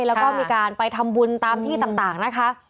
แล้วก็มีการไปทำบุญตามที่ต่างนะคะ